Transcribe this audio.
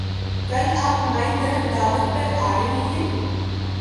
کل آپ ہماری طرف دعوت پر آرہے ہیں